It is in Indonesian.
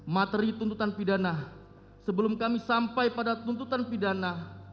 materi tuntutan pidana sebelum kami sampai pada tuntutan pidana